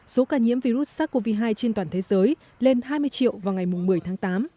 số ca nhiễm virus sars cov hai trên toàn thế giới lên hai mươi triệu vào ngày một mươi tháng tám